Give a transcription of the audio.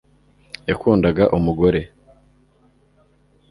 Yakundaga umugore